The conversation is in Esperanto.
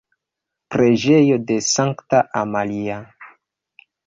Preĝejo de Sankta Amalia.